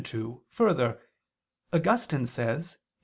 2: Further, Augustine says (Qq.